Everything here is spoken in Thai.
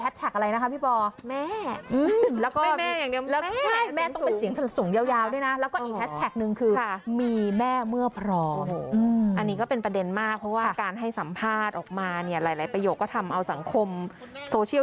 หลายประโยคก็ทำเอาสังคมโซเชียล